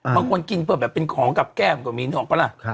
บางคนกินเพื่อแบบเป็นของกับแก้มก็มีนึกออกปะล่ะ